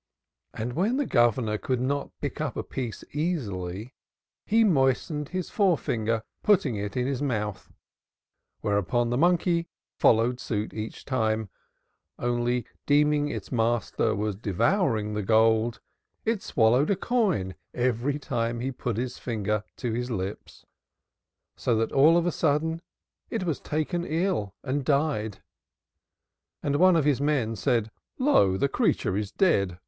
And when the Governor could not pick up a piece easily, he moistened his forefinger, putting it to his mouth, whereupon the monkey followed suit each time; only deeming its master was devouring the gold, it swallowed a coin every time he put his finger to his lips. So that of a sudden it was taken ill and died. And one of his men said, "Lo, the creature is dead.